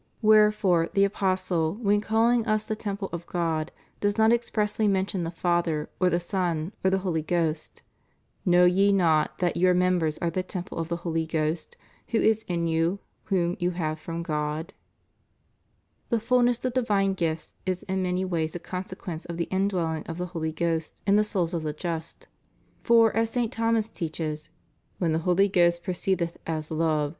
Wherefore the Apostle, when calling us the temple of God, does not expressly mention the Father, or the Son, or the Holy Ghost: Know ye not that your members are the temple of the Holy Ghost, who is in you, whom you have from God f ' The fulness of divine gifts is in many ways a consequence of the indwelling of the Holy Ghost in the souls of the just. For, as St. Thomas teaches, "when the Holy Ghost proceedeth as love.